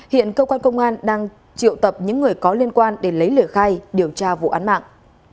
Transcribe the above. hiện cơ quan công an đang triệu tập những người có liên quan để lấy lời khai điều tra vụ án mạng